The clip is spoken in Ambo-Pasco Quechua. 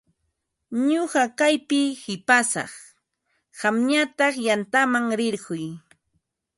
Ñuqa kaypi qipasaq, qamñataq yantaman rirquy.